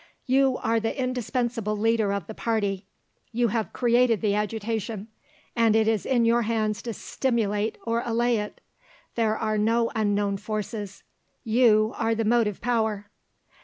You are the indispensable leader of the party; you have created the agitation, and it is in your hands to stimulate or allay it. There are no unknown forces; you are the motive power."